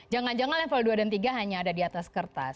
jangan jangan level dua dan tiga hanya ada di atas kertas